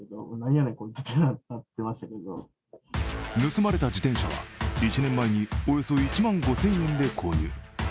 盗まれた自転車は１年前におよそ１万５０００円で購入。